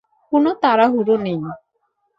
কোনো তাড়াহুড়ো নেই।